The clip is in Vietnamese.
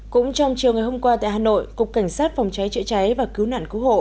cũng trong chiều ngày hôm qua tại hà nội cục cảnh sát phòng cháy chữa cháy và cứu nạn cứu hộ